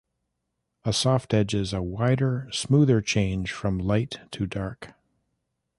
A soft edge is a wider, smoother change from light to dark.